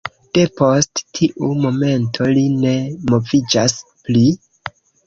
Depost tiu momento, li ne moviĝas pli.